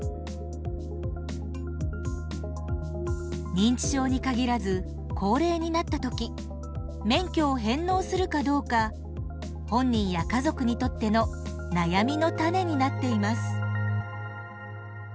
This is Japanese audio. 認知症に限らず高齢になった時免許を返納するかどうか本人や家族にとっての悩みのタネになっています。